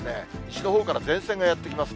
西のほうから前線がやって来ます。